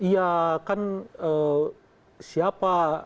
ya kan siapa